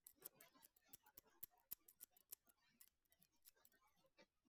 আব্বাসীয় আমলের অগ্রগতি তিনি বজায় রাখেন।